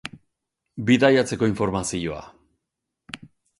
Bidaiatzeko informazioa